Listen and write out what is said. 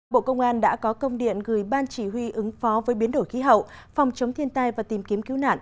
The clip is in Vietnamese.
bộ công an đã có công điện gửi ban chỉ huy ứng phó với biến đổi khí hậu phòng chống thiên tai và tìm kiếm cứu nạn